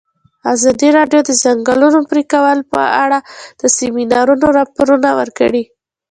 ازادي راډیو د د ځنګلونو پرېکول په اړه د سیمینارونو راپورونه ورکړي.